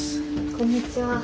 こんにちは。